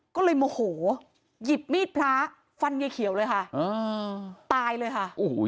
ก็เลยโมโหหยิบมีดพลาฟันยายเขียวเลยค่ะ